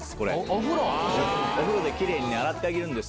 お風呂でキレイに洗ってあげるんです。